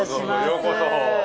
ようこそ。